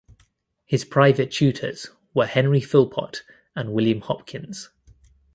His private tutors were Henry Philpott and William Hopkins.